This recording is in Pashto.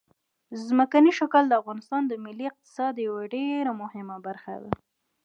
ځمکنی شکل د افغانستان د ملي اقتصاد یوه ډېره مهمه برخه ده.